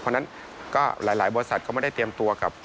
เพราะฉะนั้นก็หลายบริษัทก็ไม่ได้เตรียมตัวกับ